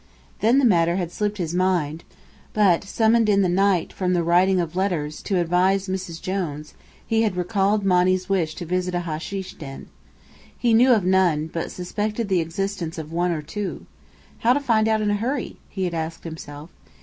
Then the matter had slipped his mind; but, summoned in the night from the writing of letters, to advise Mrs. Jones, he had recalled Monny's wish to visit a hasheesh den. He knew of none, but suspected the existence of one or two. How to find out in a hurry? he had asked himself.